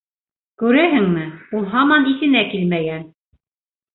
Күрәһеңме, ул һаман иҫенә килмәгән!